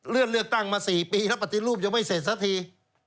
เลือกตั้งมา๔ปีแล้วปฏิรูปยังไม่เสร็จสักที